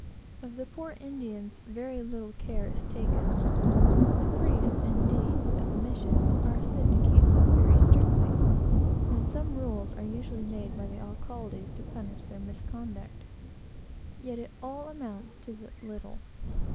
Of the poor Indians, very little care is taken. The priests, indeed, at the missions, are said to keep them very strictly, and some rules are usually made by the alcaldes to punish their misconduct; but it all amounts to but little.